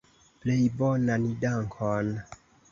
Plej bonan dankon.